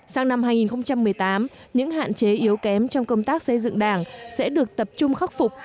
sang năm hai nghìn một mươi tám những hạn chế yếu kém trong công tác xây dựng đảng sẽ được tập trung khắc phục